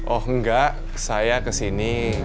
oh enggak saya kesini